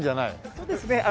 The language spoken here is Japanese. そうですね。